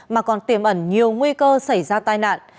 mà còn tiềm ẩn nhiều nguy cơ xảy ra tai nạn